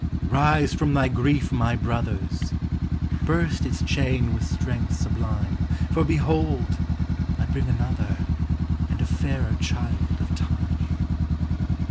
Rise from thy grief, my brothers! Burst its chain with strength sublime, For behold! I bring another, And a fairer child of time.